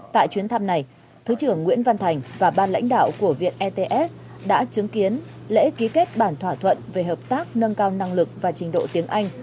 tại chuyến thăm này thứ trưởng nguyễn văn thành và ban lãnh đạo của viện ets đã chứng kiến lễ ký kết bản thỏa thuận về hợp tác nâng cao năng lực và trình độ tiếng anh